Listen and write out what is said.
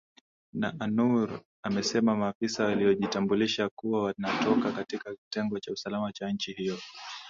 na anur amesema maafisa waliojitambulisha kuwa wanatoka katika kitengo cha usalama cha nchi hiyo